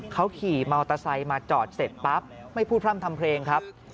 เขาขี่มอเตอร์ไซค์มาจอดเสร็จปั๊บไม่พูดพร่ำทำเพลงครับ